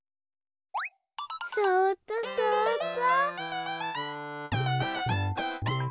そうっとそうっと。